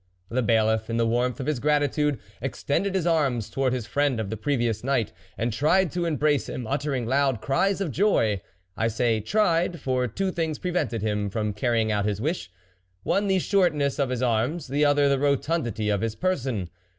The Bailiff, in the warmth of his grati tude, extended his arms towards his friend of the previous night, and tried to embrace him, uttering loud cries of joy. I say tried, for two things prevented him from carrying out his wish ; one, the shortness of his arms, the other, the rotundity of his person.